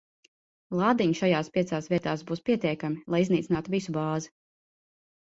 Lādiņi šajās piecās vietās būs pietiekami, lai iznīcinātu visu bāzi.